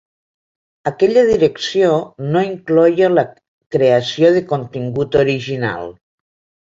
Aquella direcció no incloïa la creació de contingut original.